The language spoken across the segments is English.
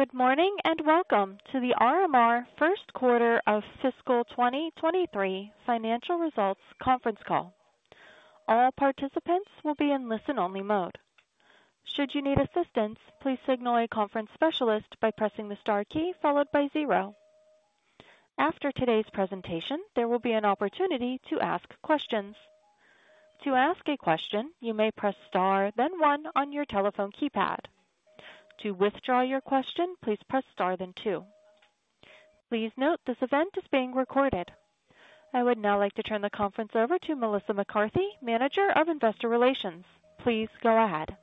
Good morning, welcome to the RMR First Quarter of Fiscal 2023 Financial Results Conference Call. All participants will be in listen-only mode. Should you need assistance, please signal a conference specialist by pressing the star key followed by zero. After today's presentation, there will be an opportunity to ask questions. To ask a question, you may press star, then one on your telephone keypad. To withdraw your question, please press star than two. Please note this event is being recorded. I would now like to turn the conference over to Melissa McCarthy, Manager of Investor Relations. Please go ahead.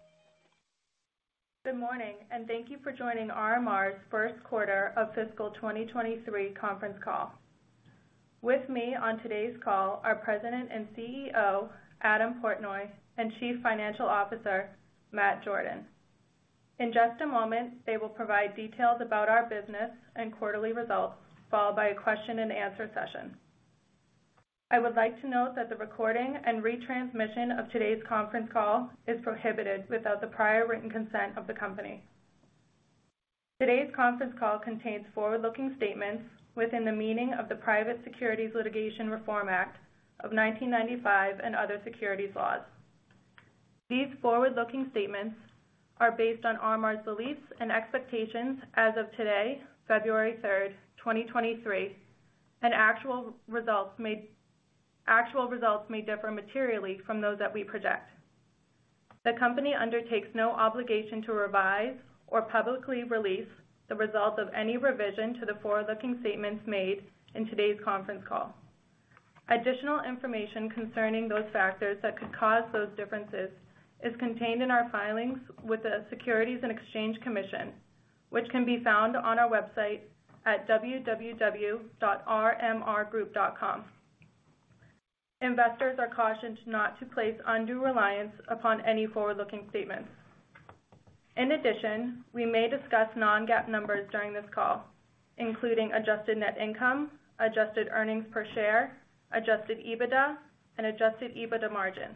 Good morning, thank you for joining RMR's First Quarter of Fiscal 2023 Conference Call. With me on today's call are President and CEO, Adam Portnoy, and Chief Financial Officer, Matt Jordan. In just a moment, they will provide details about our business and quarterly results, followed by a question-and-answer session. I would like to note that the recording and retransmission of today's conference call is prohibited without the prior written consent of the company. Today's conference call contains forward-looking statements within the meaning of the Private Securities Litigation Reform Act of 1995 and other securities laws. These forward-looking statements are based on RMR's beliefs and expectations as of today, February 3rd, 2023, actual results may differ materially from those that we project. The company undertakes no obligation to revise or publicly release the results of any revision to the forward-looking statements made in today's conference call. Additional information concerning those factors that could cause those differences is contained in our filings with the Securities and Exchange Commission, which can be found on our website at www.rmrgroup.com. Investors are cautioned not to place undue reliance upon any forward-looking statements. In addition, we may discuss non-GAAP numbers during this call, including adjusted net income, adjusted earnings per share, Adjusted EBITDA, and Adjusted EBITDA margin.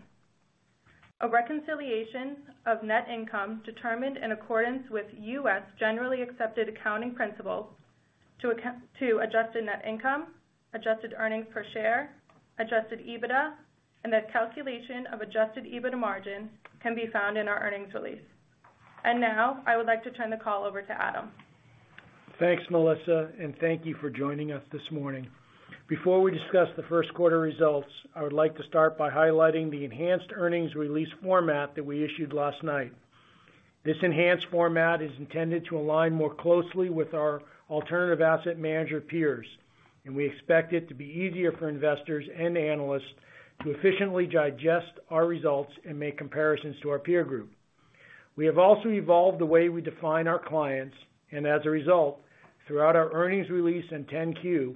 A reconciliation of net income determined in accordance with U.S. Generally Accepted Accounting Principles to adjusted net income, adjusted earnings per share, Adjusted EBITDA, and the calculation of Adjusted EBITDA margin can be found in our earnings release. Now I would like to turn the call over to Adam. Thanks, Melissa, and thank you for joining us this morning. Before we discuss the first quarter results, I would like to start by highlighting the enhanced earnings release format that we issued last night. This enhanced format is intended to align more closely with our alternative asset manager peers, and we expect it to be easier for investors and analysts to efficiently digest our results and make comparisons to our peer group. We have also evolved the way we define our clients. As a result, throughout our earnings release and 10-Q,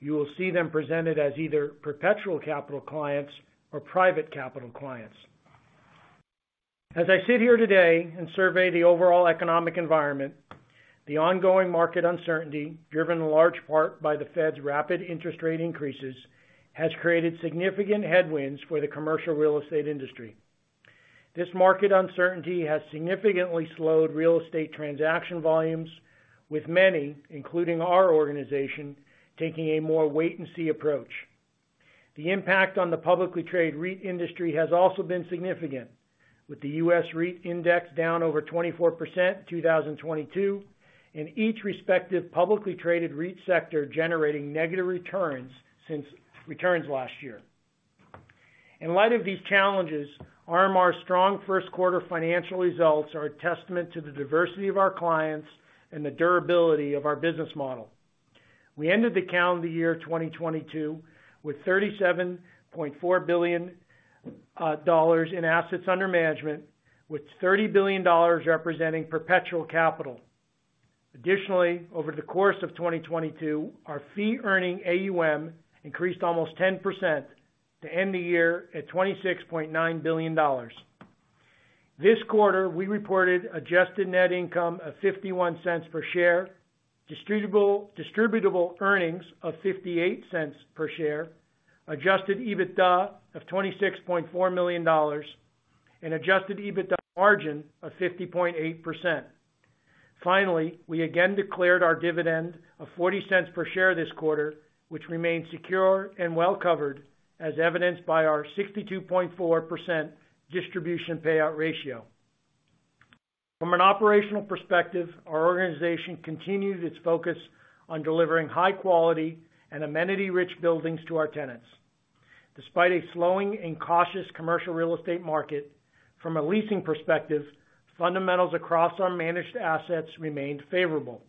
you will see them presented as either perpetual capital clients or private capital clients. As I sit here today and survey the overall economic environment, the ongoing market uncertainty, driven in large part by the Fed's rapid interest rate increases, has created significant headwinds for the commercial real estate industry. This market uncertainty has significantly slowed real estate transaction volumes, with many, including our organization, taking a more wait-and-see approach. The impact on the publicly traded REIT industry has also been significant, with the U.S. REIT Index down over 24% in 2022, and each respective publicly traded REIT sector generating negative returns since returns last year. In light of these challenges, RMR's strong first quarter financial results are a testament to the diversity of our clients and the durability of our business model. We ended the calendar year 2022 with $37.4 billion in assets under management, with $30 billion representing perpetual capital. Over the course of 2022, our fee-earning AUM increased almost 10% to end the year at $26.9 billion. This quarter, we reported adjusted net income of $0.51 per share, distributable earnings of $0.58 per share, Adjusted EBITDA of $26.4 million, and Adjusted EBITDA margin of 50.8%. Finally, we again declared our dividend of $0.40 per share this quarter, which remains secure and well covered, as evidenced by our 62.4% distribution payout ratio. From an operational perspective, our organization continued its focus on delivering high quality and amenity-rich buildings to our tenants. Despite a slowing and cautious commercial real estate market, from a leasing perspective, fundamentals across our managed assets remained favorable.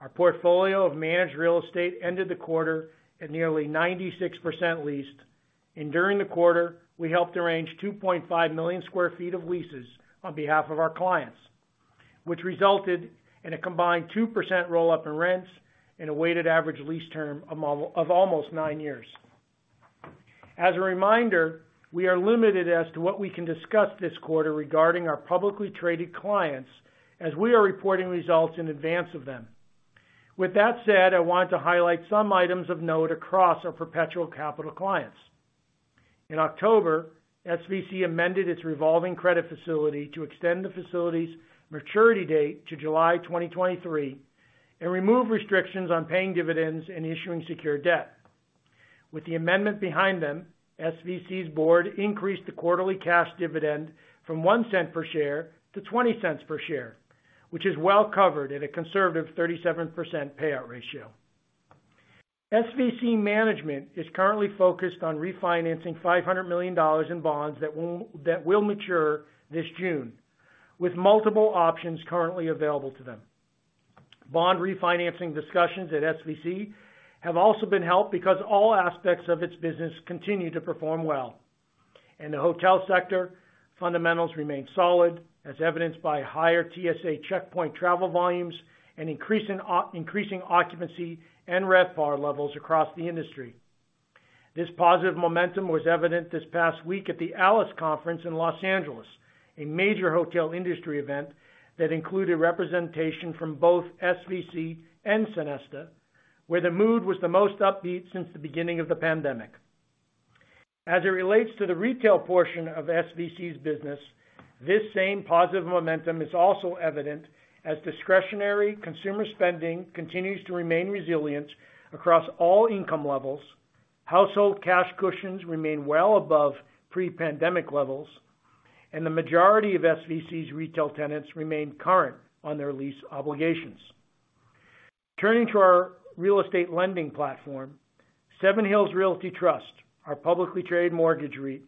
Our portfolio of managed real estate ended the quarter at nearly 96% leased, and during the quarter, we helped arrange 2.5 million sq ft of leases on behalf of our clients, which resulted in a combined 2% roll-up in rents and a weighted average lease term of almost nine years. As a reminder, we are limited as to what we can discuss this quarter regarding our publicly traded clients as we are reporting results in advance of them. With that said, I want to highlight some items of note across our perpetual capital clients. In October, SVC amended its revolving credit facility to extend the facility's maturity date to July 2023, and remove restrictions on paying dividends and issuing secure debt. With the amendment behind them, SVC's board increased the quarterly cash dividend from $0.01 Per share to 20 cents per share, which is well covered at a conservative 37% payout ratio. SVC management is currently focused on refinancing $500 million in bonds that will mature this June, with multiple options currently available to them. Bond refinancing discussions at SVC have also been helped because all aspects of its business continue to perform well. In the hotel sector, fundamentals remain solid, as evidenced by higher TSA checkpoint travel volumes and increasing occupancy and RevPAR levels across the industry. This positive momentum was evident this past week at the ALIS conference in Los Angeles, a major hotel industry event that included representation from both SVC and Sonesta, where the mood was the most upbeat since the beginning of the pandemic. As it relates to the retail portion of SVC's business, this same positive momentum is also evident as discretionary consumer spending continues to remain resilient across all income levels. Household cash cushions remain well above pre-pandemic levels, the majority of SVC's retail tenants remain current on their lease obligations. Turning to our real estate lending platform, Seven Hills Realty Trust, our publicly traded mortgage REIT,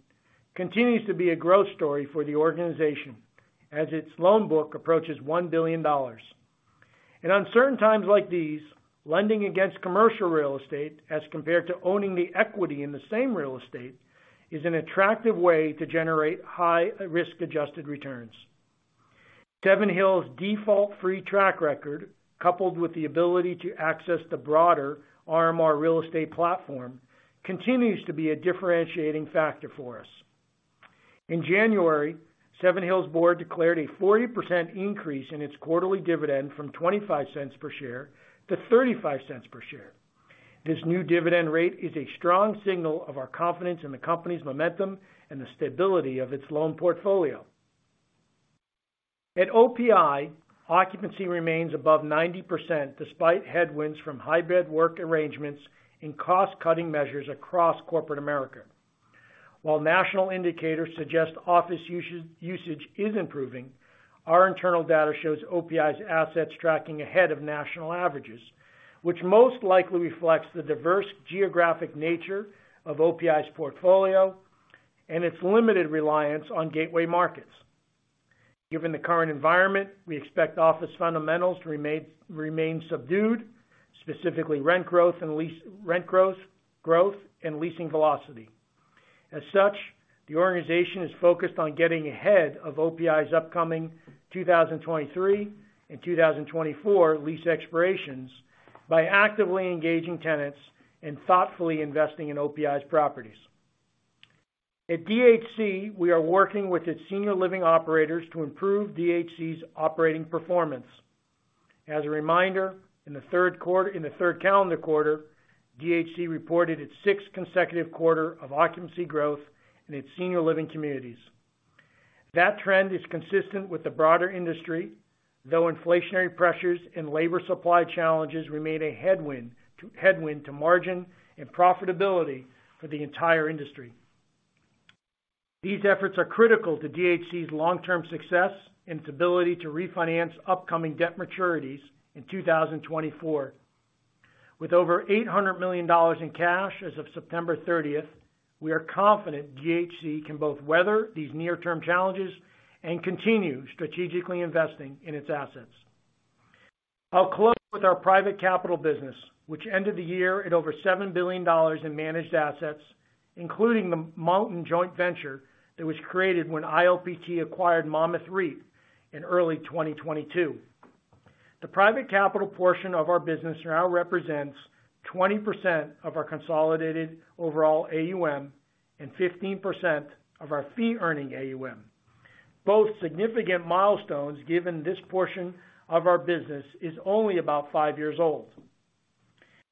continues to be a growth story for the organization as its loan book approaches $1 billion. In uncertain times like these, lending against commercial real estate, as compared to owning the equity in the same real estate, is an attractive way to generate high risk-adjusted returns. Seven Hills' default-free track record, coupled with the ability to access the broader RMR real estate platform, continues to be a differentiating factor for us. In January, Seven Hills' board declared a 40% increase in its quarterly dividend from $0.25 per share to $0.35 per share. This new dividend rate is a strong signal of our confidence in the company's momentum and the stability of its loan portfolio. At OPI, occupancy remains above 90% despite headwinds from hybrid work arrangements and cost-cutting measures across corporate America. While national indicators suggest office usage is improving, our internal data shows OPI's assets tracking ahead of national averages, which most likely reflects the diverse geographic nature of OPI's portfolio and its limited reliance on gateway markets. Given the current environment, we expect office fundamentals to remain subdued, specifically rent growth and rent growth, and leasing velocity. As such, the organization is focused on getting ahead of OPI's upcoming 2023 and 2024 lease expirations by actively engaging tenants and thoughtfully investing in OPI's properties. At DHC, we are working with its senior living operators to improve DHC's operating performance. As a reminder, in the third calendar quarter, DHC reported its sixth consecutive quarter of occupancy growth in its senior living communities. That trend is consistent with the broader industry, though inflationary pressures and labor supply challenges remain a headwind to margin and profitability for the entire industry. These efforts are critical to DHC's long-term success and its ability to refinance upcoming debt maturities in 2024. With over $800 million in cash as of September 30th, we are confident DHC can both weather these near-term challenges and continue strategically investing in its assets. I'll close with our private capital business, which ended the year at over $7 billion in managed assets, including the Mountain joint venture that was created when ILPT acquired Monmouth REIT in early 2022. The private capital portion of our business now represents 20% of our consolidated overall AUM and 15% of our fee-earning AUM. Both significant milestones, given this portion of our business is only about five years old.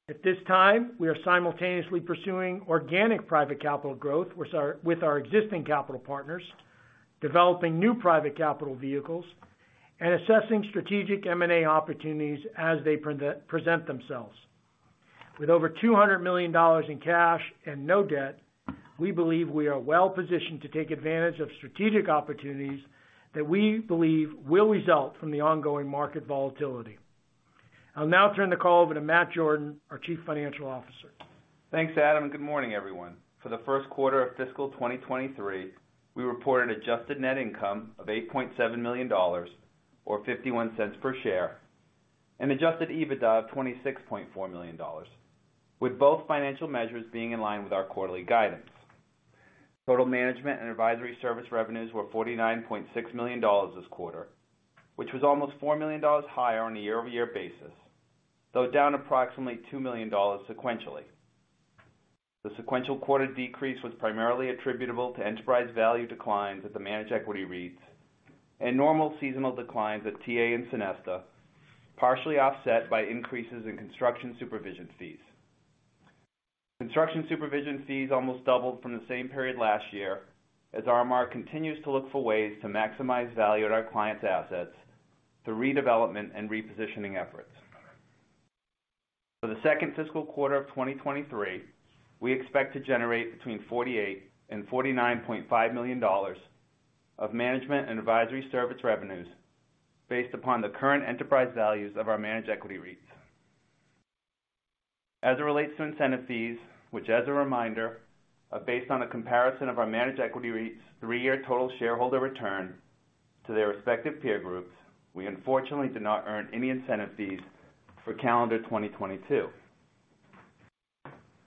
At this time, we are simultaneously pursuing organic private capital growth with our existing capital partners, developing new private capital vehicles, and assessing strategic M&A opportunities as they present themselves. With over $200 million in cash and no debt, we believe we are well-positioned to take advantage of strategic opportunities that we believe will result from the ongoing market volatility. I'll now turn the call over to Matt Jordan, our Chief Financial Officer. Thanks, Adam, good morning, everyone. For the first quarter of fiscal 2023, we reported adjusted net income of $8.7 million, or $0.51 per share, and Adjusted EBITDA of $26.4 million, with both financial measures being in line with our quarterly guidance. Total management and advisory service revenues were $49.6 million this quarter, which was almost $4 million higher on a year-over-year basis, though down approximately $2 million sequentially. The sequential quarter decrease was primarily attributable to enterprise value declines at the managed equity REITs. Normal seasonal declines at TA and Sonesta, partially offset by increases in construction supervision fees. Construction supervision fees almost doubled from the same period last year as RMR continues to look for ways to maximize value at our clients' assets through redevelopment and repositioning efforts. For the second fiscal quarter of 2023, we expect to generate between $48 million and $49.5 million of management and advisory service revenues based upon the current enterprise values of our managed equity REITs. As it relates to incentive fees, which as a reminder, are based on a comparison of our managed equity REITs' three-year total shareholder return to their respective peer groups, we unfortunately did not earn any incentive fees for calendar 2022.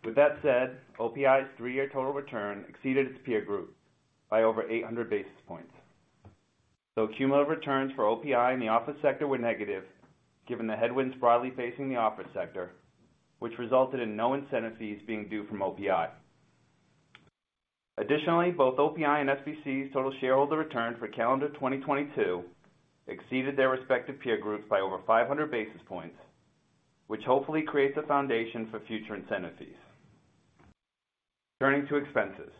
With that said, OPI's three-year total return exceeded its peer group by over 800 basis points. Though cumulative returns for OPI in the office sector were negative, given the headwinds broadly facing the office sector, which resulted in no incentive fees being due from OPI. Additionally, both OPI and SVC's total shareholder return for calendar 2022 exceeded their respective peer groups by over 500 basis points, which hopefully creates a foundation for future incentive fees. Turning to expenses.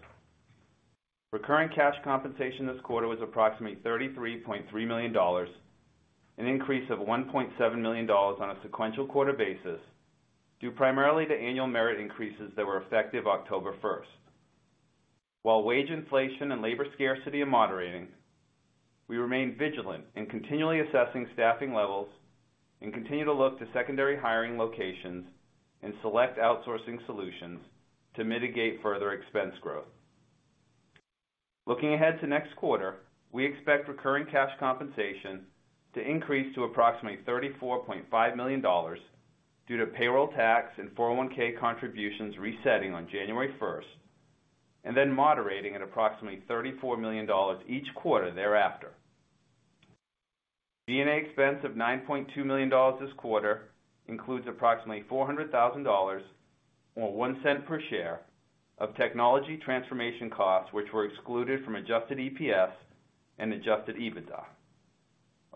Recurring cash compensation this quarter was approximately $33.3 million, an increase of $1.7 million on a sequential quarter basis, due primarily to annual merit increases that were effective October 1st. While wage inflation and labor scarcity are moderating, we remain vigilant in continually assessing staffing levels and continue to look to secondary hiring locations and select outsourcing solutions to mitigate further expense growth. Looking ahead to next quarter, we expect recurring cash compensation to increase to approximately $34.5 million due to payroll tax and 401(k) contributions resetting on January 1st, and then moderating at approximately $34 million each quarter thereafter. G&A expense of $9.2 million this quarter includes approximately $400,000, or $0.01 per share, of technology transformation costs, which were excluded from Adjusted EPS and Adjusted EBITDA.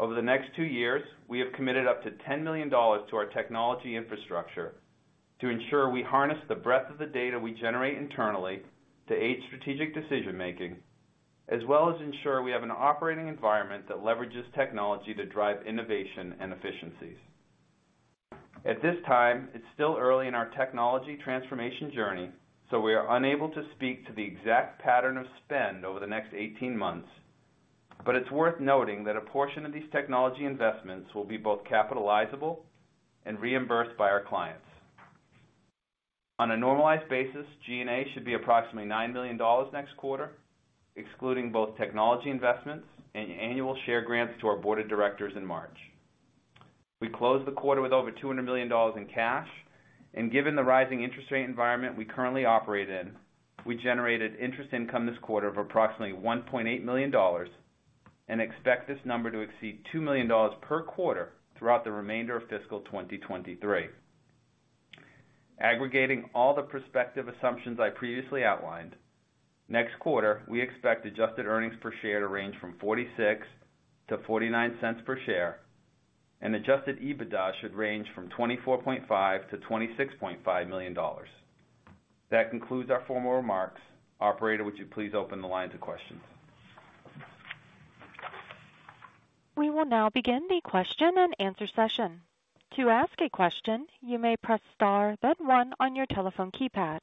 Over the next two years, we have committed up to $10 million to our technology infrastructure to ensure we harness the breadth of the data we generate internally to aid strategic decision-making, as well as ensure we have an operating environment that leverages technology to drive innovation and efficiencies. At this time, it's still early in our technology transformation journey, so we are unable to speak to the exact pattern of spend over the next 18 months. It's worth noting that a portion of these technology investments will be both capitalizable and reimbursed by our clients. On a normalized basis, G&A should be approximately $9 million next quarter, excluding both technology investments and annual share grants to our board of directors in March. Given the rising interest rate environment we currently operate in, we generated interest income this quarter of approximately $1.8 million and expect this number to exceed $2 million per quarter throughout the remainder of fiscal 2023. Aggregating all the prospective assumptions I previously outlined, next quarter, we expect adjusted earnings per share to range from $0.46-$0.49 per share, and Adjusted EBITDA should range from $24.5 million-$26.5 million. That concludes our formal remarks. Operator, would you please open the line to questions? We will now begin the question and answer session. To ask a question, you may press star then one on your telephone keypad.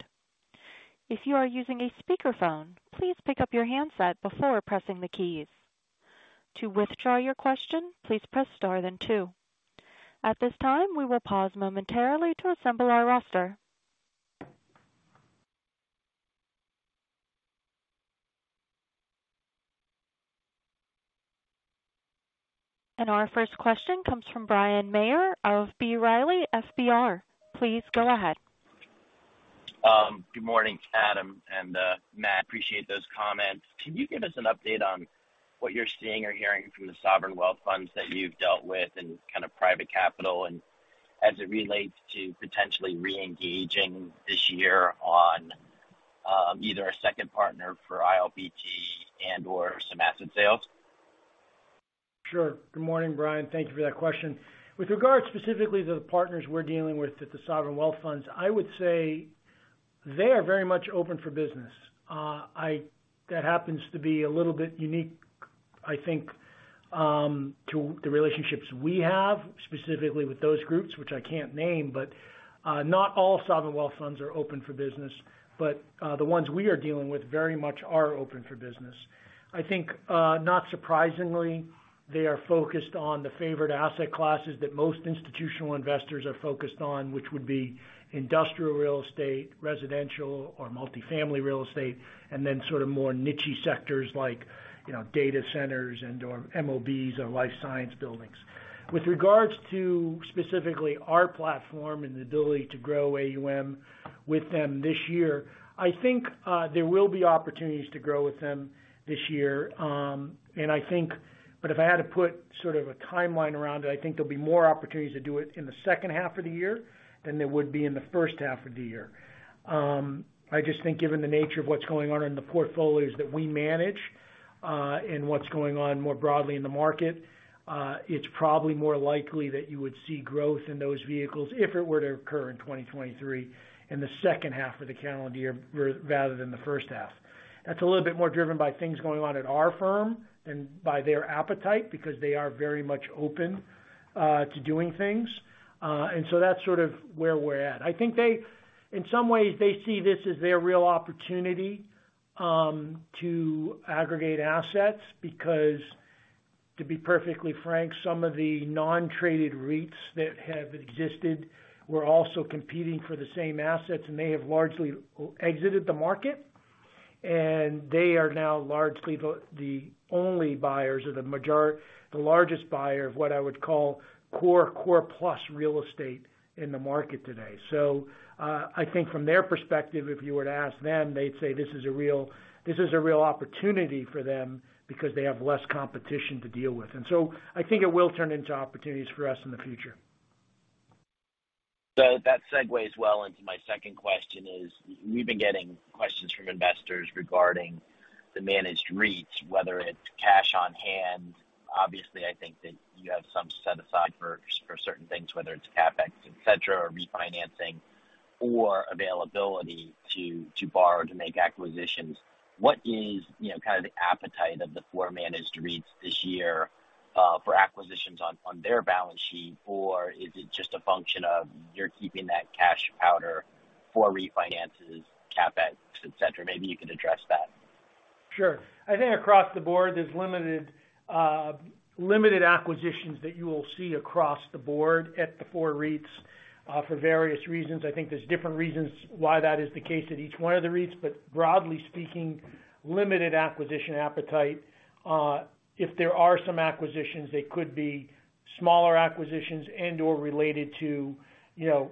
If you are using a speakerphone, please pick up your handset before pressing the keys. To withdraw your question, please press star then two. At this time, we will pause momentarily to assemble our roster. Our first question comes from Bryan Maher of B. Riley FBR. Please go ahead. Good morning, Adam and Matt, appreciate those comments. Can you give us an update on what you're seeing or hearing from the sovereign wealth funds that you've dealt with in kind of private capital and as it relates to potentially re-engaging this year on, either a second partner for ILPT and/or some asset sales? Sure. Good morning, Brian. Thank you for that question. With regard specifically to the partners we're dealing with at the sovereign wealth funds, I would say they are very much open for business. That happens to be a little bit unique, I think, to the relationships we have, specifically with those groups, which I can't name, but not all sovereign wealth funds are open for business. The ones we are dealing with very much are open for business. I think, not surprisingly, they are focused on the favored asset classes that most institutional investors are focused on, which would be industrial real estate, residential or multifamily real estate, and then sort of more niche-y sectors like, you know, data centers and/or MOBs or life science buildings. With regards to specifically our platform and the ability to grow AUM with them this year, I think there will be opportunities to grow with them this year. If I had to put sort of a timeline around it, I think there'll be more opportunities to do it in the second half of the year than there would be in the first half of the year. I just think given the nature of what's going on in the portfolios that we manage, and what's going on more broadly in the market, it's probably more likely that you would see growth in those vehicles if it were to occur in 2023 in the second half of the calendar year rather than the first half. That's a little bit more driven by things going on at our firm than by their appetite because they are very much open to doing things. That's sort of where we're at. I think they, in some ways, they see this as their real opportunity to aggregate assets because to be perfectly frank, some of the non-traded REITs that have existed were also competing for the same assets and may have largely exited the market. They are now largely the only buyers or the largest buyer of what I would call core plus real estate in the market today. I think from their perspective, if you were to ask them, they'd say this is a real opportunity for them because they have less competition to deal with. I think it will turn into opportunities for us in the future. That segues well into my second question is, we've been getting questions from investors regarding the managed REITs, whether it's cash on hand. Obviously, I think that you have some set aside for certain things, whether it's CapEx, et cetera, or refinancing or availability to borrow to make acquisitions. What is, you know, kind of the appetite of the four managed REITs this year for acquisitions on their balance sheet? Or is it just a function of you're keeping that cash powder for refinances, CapEx, et cetera? Maybe you can address that. Sure. I think across the board, there's limited acquisitions that you will see across the board at the four REITs for various reasons. I think there's different reasons why that is the case at each one of the REITs. Broadly speaking, limited acquisition appetite. If there are some acquisitions, they could be smaller acquisitions and/or related to, you know,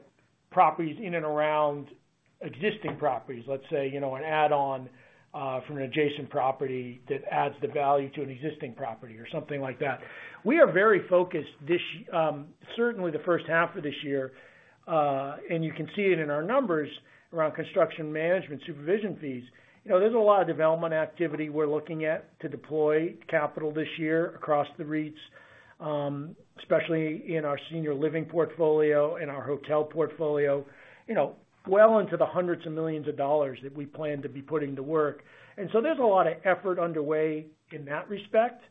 properties in and around existing properties. Let's say, you know, an add-on from an adjacent property that adds the value to an existing property or something like that. We are very focused certainly the first half of this year, and you can see it in our numbers around construction management supervision fees. You know, there's a lot of development activity we're looking at to deploy capital this year across the REITs, especially in our senior living portfolio, in our hotel portfolio, you know, well into the hundreds of millions of dollars that we plan to be putting to work. There's a lot of effort underway in that respect,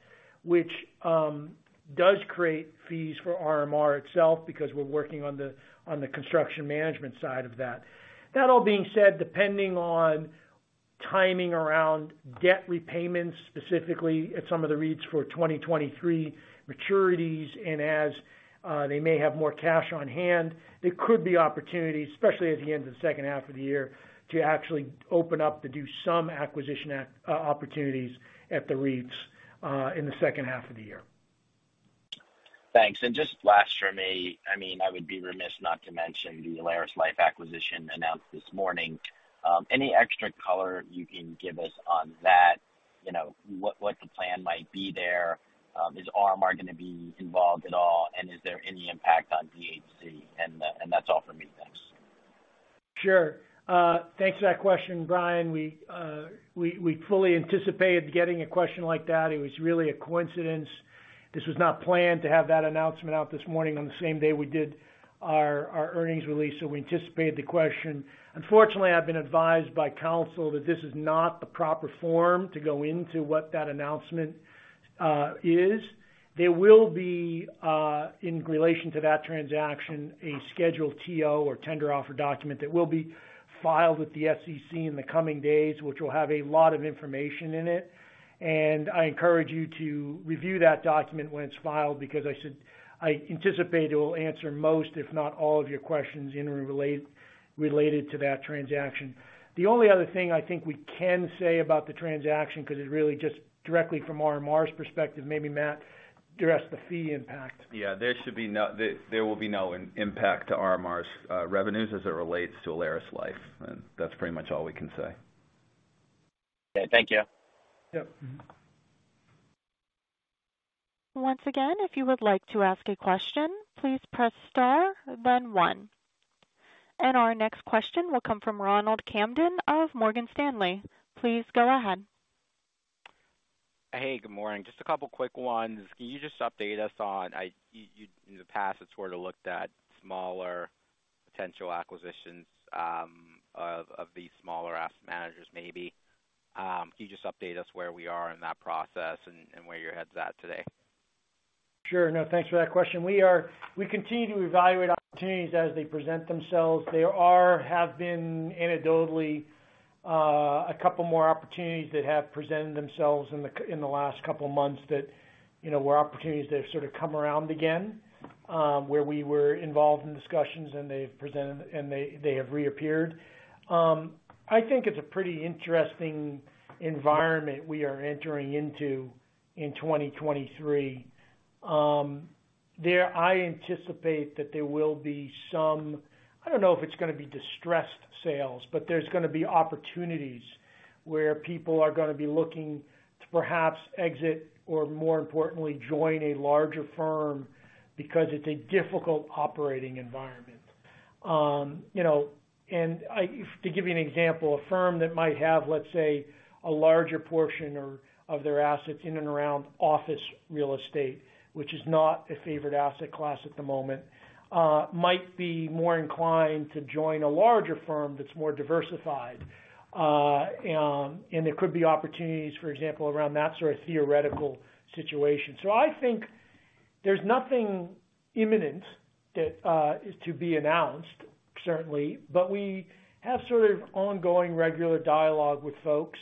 which does create fees for RMR itself because we're working on the construction management side of that. That all being said, depending on timing around debt repayments, specifically at some of the REITs for 2023 maturities, and as they may have more cash on hand, there could be opportunities, especially at the end of the second half of the year, to actually open up to do some acquisition opportunities at the REITs in the second half of the year. Thanks. Just last for me, I mean, I would be remiss not to mention the AlerisLife acquisition announced this morning. Any extra color you can give us on that? You know, what the plan might be there? Is RMR gonna be involved at all? Is there any impact on DHC? That's all for me. Thanks. Sure. Thanks for that question, Bryan. We fully anticipated getting a question like that. It was really a coincidence. This was not planned to have that announcement out this morning on the same day we did our earnings release. We anticipated the question. Unfortunately, I've been advised by council that this is not the proper form to go into what that announcement is. There will be in relation to that transaction, a Schedule TO or tender offer document that will be filed with the SEC in the coming days, which will have a lot of information in it. I encourage you to review that document when it's filed because I anticipate it will answer most, if not all, of your questions related to that transaction. The only other thing I think we can say about the transaction, 'cause it really just directly from RMR's perspective, maybe Matt address the fee impact. Yeah. There will be no impact to RMR's revenues as it relates to AlerisLife. That's pretty much all we can say. Okay. Thank you. Yep. Mm-hmm. Once again, if you would like to ask a question, please press star then one. Our next question will come from Ronald Kamdem of Morgan Stanley. Please go ahead. Hey, good morning. Just a couple of quick ones. Can you just update us on... you in the past, had sort of looked at smaller potential acquisitions, of these smaller asset managers maybe. Can you just update us where we are in that process and where your head's at today? Sure. Thanks for that question. We continue to evaluate opportunities as they present themselves. There are, have been anecdotally, a couple more opportunities that have presented themselves in the last couple of months that, you know, were opportunities that have sort of come around again. Where we were involved in discussions they have reappeared. I think it's a pretty interesting environment we are entering into in 2023. There I anticipate that there will be some. I don't know if it's gonna be distressed sales, but there's gonna be opportunities where people are gonna be looking to perhaps exit or more importantly, join a larger firm because it's a difficult operating environment. You know, to give you an example, a firm that might have, let's say, a larger portion or of their assets in and around office real estate, which is not a favorite asset class at the moment, might be more inclined to join a larger firm that's more diversified. There could be opportunities, for example, around that sort of theoretical situation. I think there's nothing imminent that is to be announced, certainly, but we have sort of ongoing regular dialogue with folks,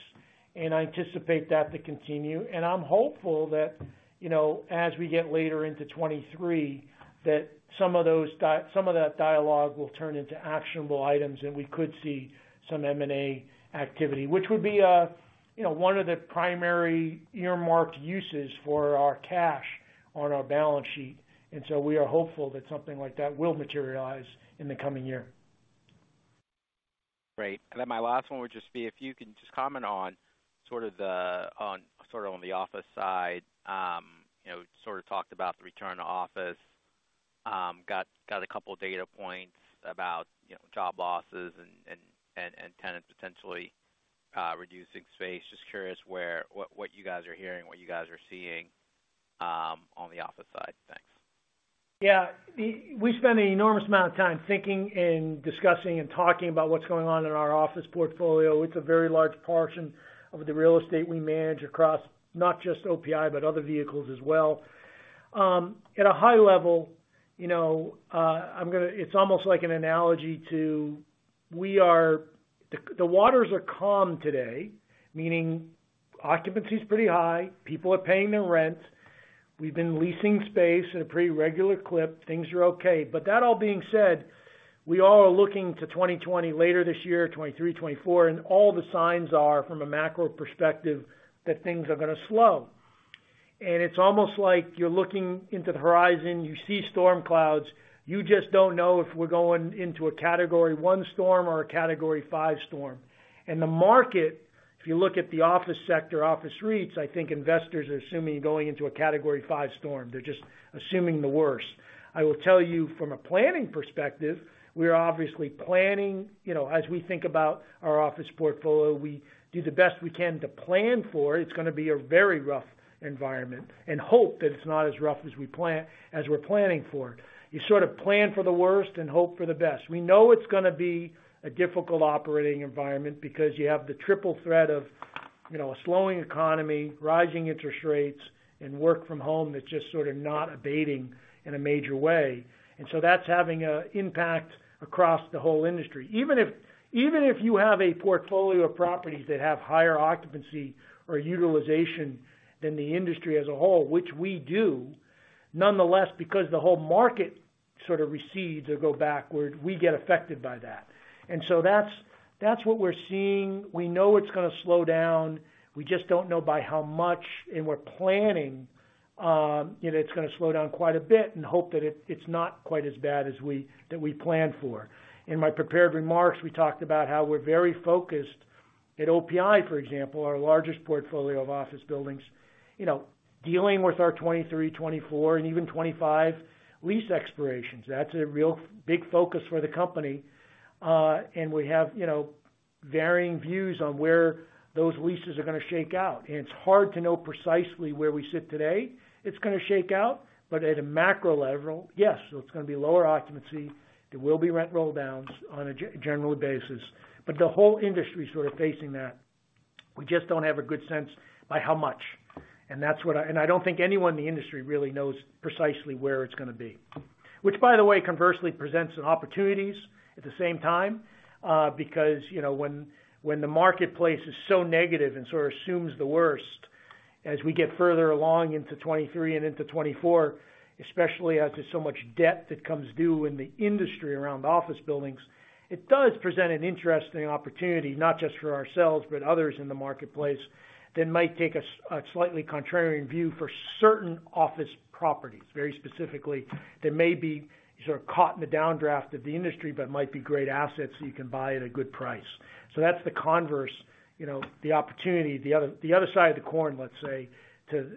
and I anticipate that to continue. I'm hopeful that, you know, as we get later into 2023, that some of that dialogue will turn into actionable items and we could see some M&A activity, which would be a, you know, one of the primary earmarked uses for our cash on our balance sheet. We are hopeful that something like that will materialize in the coming year. Great. My last one would just be if you can just comment on sort of on the office side. You know, sort of talked about the return to office. Got a couple data points about, you know, job losses and tenants potentially reducing space. Just curious where, what you guys are hearing, what you guys are seeing on the office side. Thanks. Yeah. We spend an enormous amount of time thinking and discussing and talking about what's going on in our office portfolio. It's a very large portion of the real estate we manage across, not just OPI, but other vehicles as well. At a high level, you know, it's almost like an analogy to the waters are calm today, meaning occupancy is pretty high, people are paying their rent. We've been leasing space at a pretty regular clip. Things are okay. That all being said, we all are looking to 2020 later this year, 2023, 2024, and all the signs are from a macro perspective that things are gonna slow. It's almost like you're looking into the horizon, you see storm clouds. You just don't know if we're going into a Category 1 storm or a Category 5 storm. The market, if you look at the office sector, office REITs, I think investors are assuming going into a Category 5 storm. They're just assuming the worst. I will tell you from a planning perspective, we're obviously planning, you know, as we think about our office portfolio, we do the best we can to plan for. It's going to be a very rough environment and hope that it's not as rough as we're planning for. You sort of plan for the worst and hope for the best. We know it's going to be a difficult operating environment because you have the triple threat of, you know, a slowing economy, rising interest rates, and work from home that's just sort of not abating in a major way. That's having an impact across the whole industry. Even if you have a portfolio of properties that have higher occupancy or utilization than the industry as a whole, which we do, nonetheless, because the whole market sort of recedes or go backward, we get affected by that. That's what we're seeing. We know it's gonna slow down. We just don't know by how much. We're planning, you know, it's gonna slow down quite a bit and hope that it's not quite as bad as we planned for. In my prepared remarks, we talked about how we're very focused at OPI, for example, our largest portfolio of office buildings. You know, dealing with our 2023, 2024 and even 2025 lease expirations, that's a real big focus for the company. And we have, you know, varying views on where those leases are gonna shake out. It's hard to know precisely where we sit today. It's gonna shake out, but at a macro level, yes, so it's gonna be lower occupancy. There will be rent rolldowns on a general basis. The whole industry is sort of facing that. We just don't have a good sense by how much, and that's what I. I don't think anyone in the industry really knows precisely where it's gonna be. Which, by the way, conversely presents some opportunities at the same time, because, you know, when the marketplace is so negative and sort of assumes the worst as we get further along into 2023 and into 2024, especially as there's so much debt that comes due in the industry around office buildings, it does present an interesting opportunity, not just for ourselves, but others in the marketplace that might take a slightly contrarian view for certain office properties. Very specifically, they may be sort of caught in the downdraft of the industry, but might be great assets that you can buy at a good price. That's the converse, you know, the opportunity, the other side of the coin, let's say, to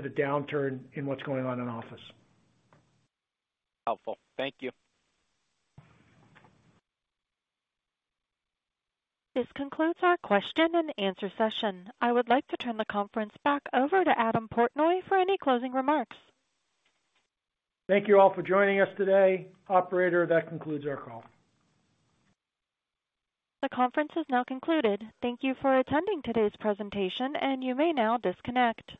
the downturn in what's going on in office. Helpful. Thank you. This concludes our question and answer session. I would like to turn the conference back over to Adam Portnoy for any closing remarks. Thank you all for joining us today. Operator, that concludes our call. The conference has now concluded. Thank you for attending today's presentation. You may now disconnect.